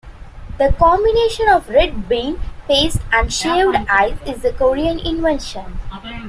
The combination of red bean paste and shaved ice is a Korean invention.